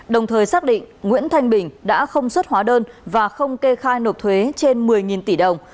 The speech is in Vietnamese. đồng thời xác định nguyễn thanh bình đã không xuất hóa đơn và không kê khai nộp thuế trên một mươi tỷ đồng